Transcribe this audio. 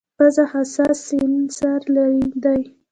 پزه حساس سینسر دی.